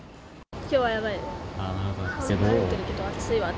きょうはやばいです。